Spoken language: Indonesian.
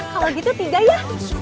kalau gitu tiga ya